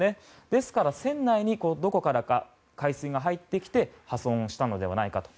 ですから、船内にどこからか海水が入ってきて破損をしたのではないかと。